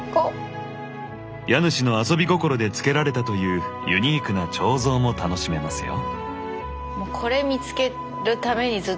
家主の遊び心でつけられたというユニークな彫像も楽しめますよ。